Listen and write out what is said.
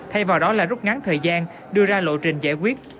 thay vào đó là rút ngắn thời gian đưa ra lộ trình giải quyết